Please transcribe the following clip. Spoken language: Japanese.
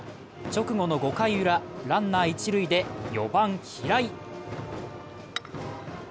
直後の５回ウラ、ランナー一塁で４番・平井。